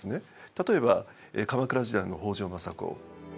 例えば鎌倉時代の北条政子。